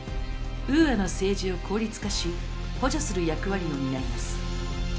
ウーアの政治を効率化し補助する役割を担います。